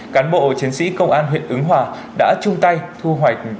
cán bộ chiến sĩ công an huyện ứng hòa đã chung tay thu hoạch